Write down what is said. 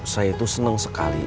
saya tuh seneng sekali